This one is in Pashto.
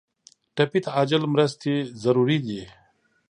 ټپي ته عاجل مرستې ضروري دي.